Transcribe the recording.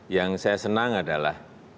yang saya senang adalah